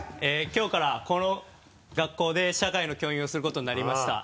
きょうからこの学校で社会の教員をすることになりました。